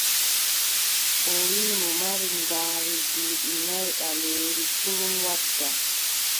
O wiʼi mo mari ngaari duuɓi nayi ɓaleeri kurum wadda.